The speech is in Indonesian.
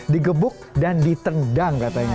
digebuk dan ditendang katanya